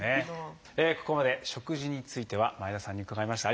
ここまで食事については前田さんに伺いました。